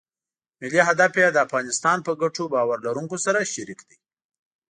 ملي هدف یې د افغانستان په ګټو باور لرونکو سره شریک دی.